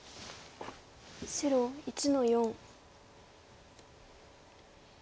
白１の四。